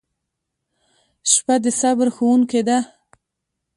• شپه د صبر ښوونکې ده.